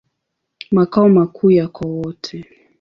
Makao makuu yako Wote.